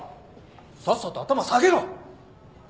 さっさと頭下げろ！